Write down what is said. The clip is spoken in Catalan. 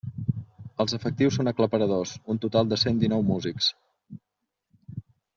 Els efectius són aclaparadors: un total de cent dinou músics.